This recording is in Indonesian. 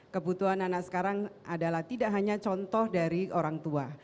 kebutuhan anak sekarang adalah tidak hanya contoh dari orang tua